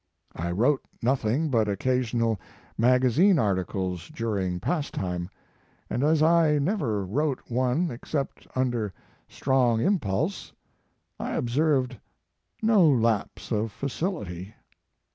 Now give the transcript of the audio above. I wrote nothing but occasional magazine articles during pastime, and as I never wrote one except under strong impulse, I observed no lapse of facility.